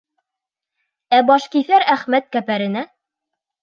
Ә Башкиҫәр Әхмәт кәпәренә: